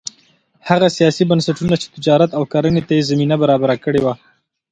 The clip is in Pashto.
هغه سیاسي بنسټونه چې تجارت او کرنې ته زمینه برابره کړې وه